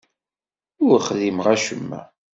Ur xdimeɣ acemma.